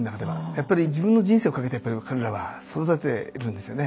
やっぱり自分の人生を懸けて彼らは育てているんですよね。